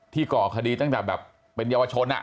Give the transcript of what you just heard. ที่ก่อคดีตั้งแต่เป็นเยาวชน